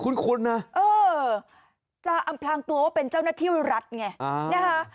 คุ้นนะเออจะอำพลางตัวว่าเป็นเจ้าหน้าที่รัฐไงนะคะ